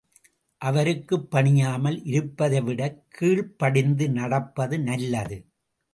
அவருக்குப் பணியாமல் இருப்பதைவிடக் கீழ்ப்படிந்து நடப்பது நல்லது.